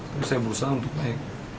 terus saya berusaha untuk naik